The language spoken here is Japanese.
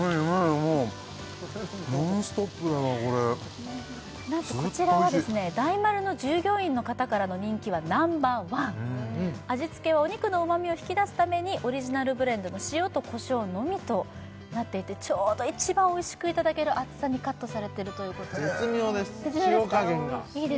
もうノンストップだわこれなんとこちらはですね大丸の従業員の方からの人気はナンバーワン味付けはお肉の旨みを引き出すためにオリジナルブレンドの塩とこしょうのみとなっていてちょうど一番おいしくいただける厚さにカットされてるということで絶妙です